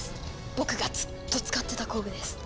僕がずっと使ってた工具です。